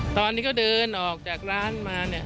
ตอนนี้ก็เดินออกจากร้านมาเนี้ย